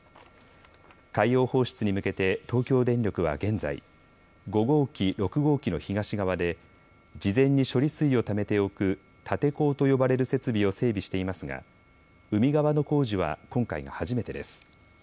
海洋放出に向けて東京電力は現在、５号機、６号機の東側で事前に処理水をためておく立て坑と呼ばれる設備を整備していますが海側の工事は今回が初めてです。